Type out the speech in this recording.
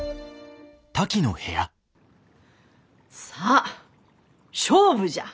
さあ勝負じゃ！